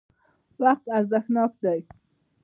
وقت ارزښتناک دی.